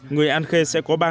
người an khê sẽ có ba ngày